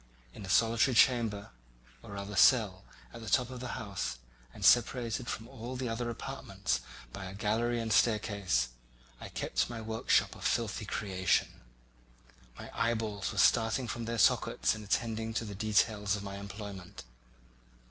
In a solitary chamber, or rather cell, at the top of the house, and separated from all the other apartments by a gallery and staircase, I kept my workshop of filthy creation; my eyeballs were starting from their sockets in attending to the details of my employment.